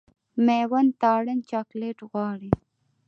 مېوند تارڼ چاکلېټ غواړي.